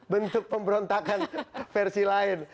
bentuk pemberontakan versi lain